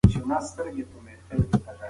د دې پېښو وړاندوینه د امکان نه بهر ده.